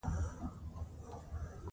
افغانستان د بادي انرژي لپاره مشهور دی.